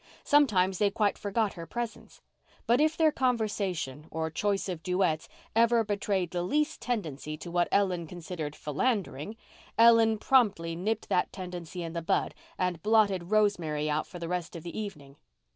Sometimes they quite forgot her presence. But if their conversation or choice of duets ever betrayed the least tendency to what Ellen considered philandering, Ellen promptly nipped that tendency in the bud and blotted Rosemary out for the rest of the evening.